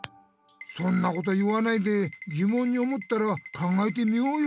そんなこと言わないでぎもんに思ったら考えてみようよ！